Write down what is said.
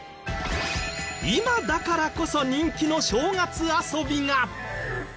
今だからこそ人気の正月遊びが。